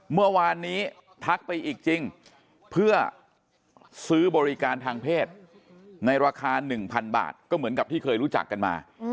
เมื่อวานนี้ทักไปอีกจริงเพื่อซื้อบริการทางเพศในราคา๑๐๐๐บาทก็เหมือนกับที่เคยรู้จักกันมา